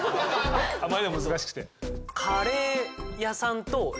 あまりにも難しくて。